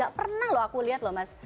gak pernah loh aku lihat loh mas